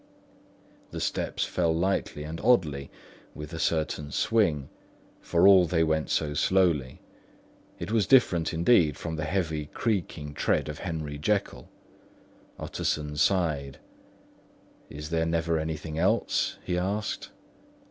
The steps fell lightly and oddly, with a certain swing, for all they went so slowly; it was different indeed from the heavy creaking tread of Henry Jekyll. Utterson sighed. "Is there never anything else?" he asked.